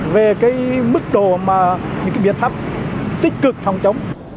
về cái mức độ mà những cái biện pháp tích cực phòng chống